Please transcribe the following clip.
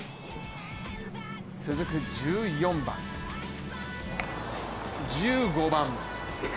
続く１４番、１５番。